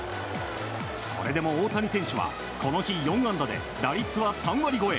それでも、大谷選手はこの日４安打で打率は３割超え。